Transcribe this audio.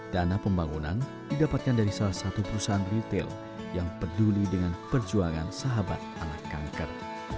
dana pembangunan didapatkan dari salah satu perusahaan retail yang peduli dengan perjuangan sahabat anak kanker